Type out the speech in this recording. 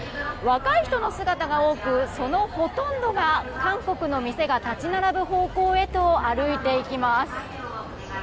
若い人の姿が多くそのほとんどが韓国の店が立ち並ぶ方向へと歩いていきます。